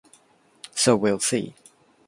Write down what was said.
So we’ll see.